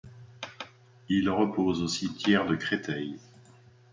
Il repose au cimetière de Créteil.